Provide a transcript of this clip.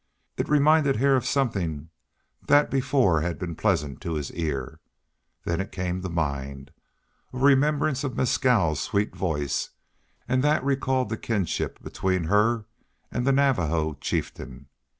It reminded Hare of something that before had been pleasant to his ear. Then it came to mind: a remembrance of Mescal's sweet voice, and that recalled the kinship between her and the Navajo chieftain.